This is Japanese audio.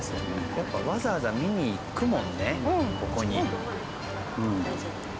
やっぱりわざわざ見に行くもんね